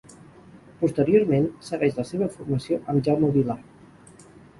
Posteriorment segueix la seva formació amb Jaume Vilà.